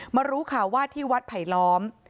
รู้ข่าวว่าที่วัดไผลล้อม